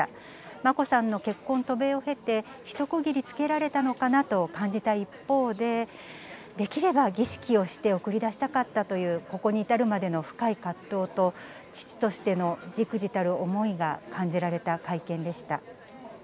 眞子さんの結婚、渡米を経て、一区切りつけられたのかなと感じた一方で、できれば儀式をして送り出したかったという、ここに至るまでの深い葛藤と、父としてのじくじたる思いが感じられた会見でした。